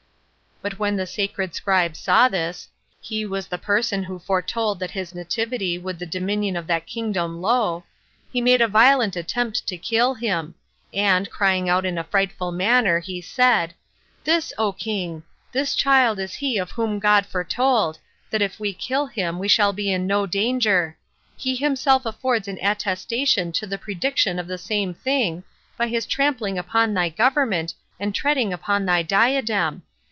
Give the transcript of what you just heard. But when the sacred scribe saw this, [he was the person who foretold that his nativity would lay the dominion of that kingdom low,] he made a violent attempt to kill him; and crying out in a frightful manner, he said, "This, O king! this child is he of whom God foretold, that if we kill him we shall be in no danger; he himself affords an attestation to the prediction of the same thing, by his trampling upon thy government, and treading upon thy diadem.